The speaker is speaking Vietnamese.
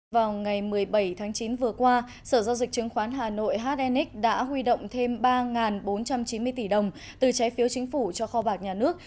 vào ngày một mươi bảy tháng chín vừa qua sở giao dịch chứng khoán hà nội hnx đã huy động thêm ba bốn trăm chín mươi tỷ đồng từ trái phiếu chính phủ cho kho bạc nhà nước